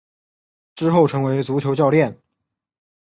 之后成为足球教练。